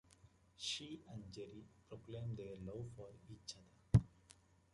She and Jerry proclaim their love for each other.